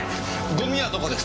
ゴミはどこですか？